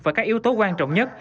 và các yếu tố quan trọng nhất